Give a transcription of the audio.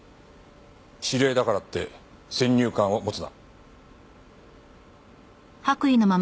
知り合いだからって先入観を持つな。